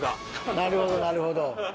なるほどなるほど。